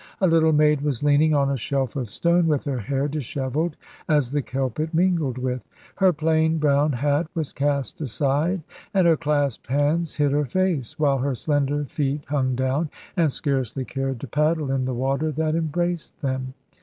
A little maid was leaning on a shelf of stone with her hair dishevelled as the kelp it mingled with. Her plain brown hat was cast aside, and her clasped hands hid her face, while her slender feet hung down, and scarcely cared to paddle in the water that embraced them.